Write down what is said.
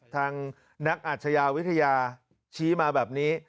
ทางนักอาชญาวิทยาชี้มาแบบนี้